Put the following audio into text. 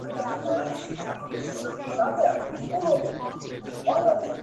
বারোখানা রুমাল এনেছি, ভাবছি এবার ঘরের মধ্যে রুমালের হরির লুঠ দিয়ে যাব।